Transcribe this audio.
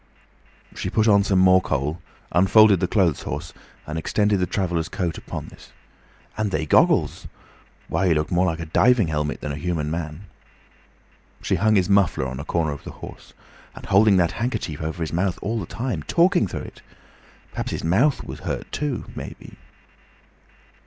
She put on some more coal, unfolded the clothes horse, and extended the traveller's coat upon this. "And they goggles! Why, he looked more like a divin' helmet than a human man!" She hung his muffler on a corner of the horse. "And holding that handkerchief over his mouth all the time. Talkin' through it! ... Perhaps his mouth was hurt too—maybe."